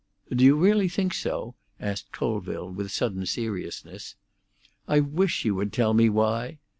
"Do you really think so?" asked Colville, with sudden seriousness. "I wish you would tell me why.